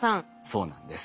そうなんです。